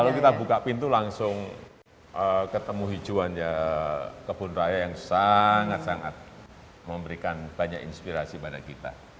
kalau kita buka pintu langsung ketemu hijauannya kebun raya yang sangat sangat memberikan banyak inspirasi pada kita